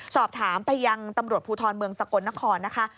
สอบถามไปยังตำรวจภูทรเมืองสกลนครนะคะ